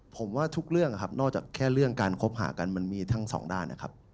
ผมว่าทุกเรื่องนะครับนอกจากแค่เรื่องการคบหากันมันมีทั้งสองด้านนะครับ